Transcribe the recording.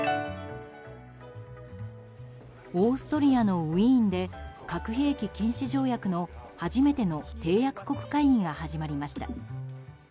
オーストリアのウィーンで核兵器禁止条約の初めての締約国会議が始まりました。